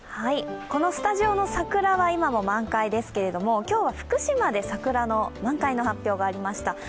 このスタジオの桜は今も満開ですけど今日は福島で桜の満開の発表がありました。